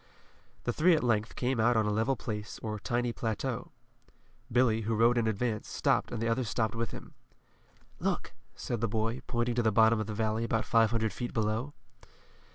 The three at length came out on a level place or tiny plateau. Billy, who rode in advance, stopped and the others stopped with him. "Look," said the boy, pointing to the bottom of the valley, about five hundred feet below.